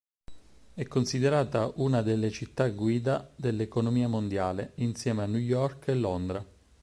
È considerata una delle città guida dell'economia mondiale, insieme a New York e Londra.